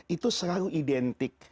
itu selalu identik